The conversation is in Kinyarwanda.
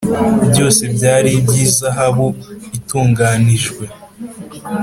byose byari iby’izahabu itunganijwe